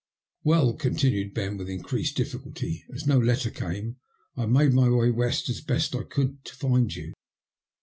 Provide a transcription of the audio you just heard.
''Well," continued Ben, with increased difficulty, '' as no letter came I made my way west as best I could, to find you.